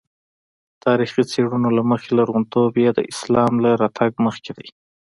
تاریخي څېړنو له مخې لرغونتوب یې د اسلام له راتګ مخکې دی.